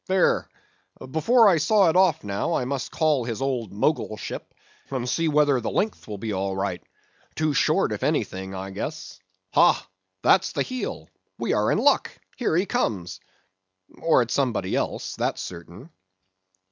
There; before I saw it off, now, I must call his old Mogulship, and see whether the length will be all right; too short, if anything, I guess. Ha! that's the heel; we are in luck; here he comes, or it's somebody else, that's certain.